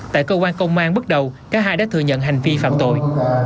tại cơ quan công an bước đầu cả hai đã thừa nhận hành vi phạm tội